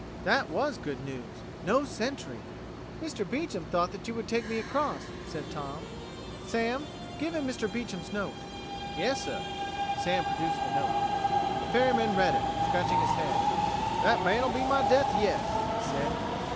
That was good news! No Sentry! "Mr. Beecham thought that you would take me across," said Tom. "Sam, give him Mr. Beecham's note." "Yassuh." Sam produced the note. The ferryman read it, scratching his head. "That man'll be my death yet," he said.